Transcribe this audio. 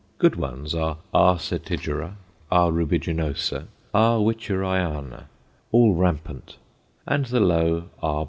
Good ones are R. setigera, R. rubiginosa, R. Wichuraiana, all rampant, and the low _R.